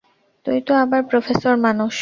তুই তো আবার প্রফেসর মানুষ।